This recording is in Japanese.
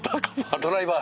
ドライバー。